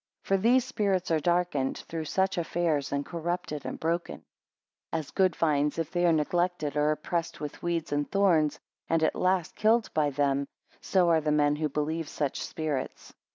For these spirits are darkened through such affairs, and corrupted, and broken. 11 As good vines if they are neglected, are oppressed with weeds and thorns, and at last killed by them; so are the men who believe such spirits.